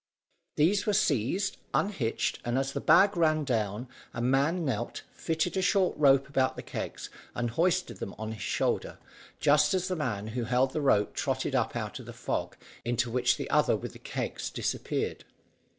These were seized, unhitched, and as the bag ran down, a man knelt, fitted a short rope about the kegs and hoisted them on his shoulder, just as the man who held the rope trotted up out of the fog into which the other with the kegs disappeared.